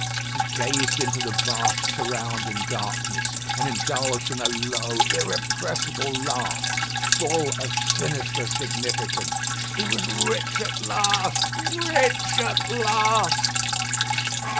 He gazed into the vast surrounding darkness, and indulged in a low, irrepressible laugh, full of sinister significance. He was rich at last! rich at last!